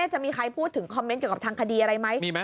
จะมีใครพูดถึงคอมเมนต์เกี่ยวกับทางคดีอะไรไหม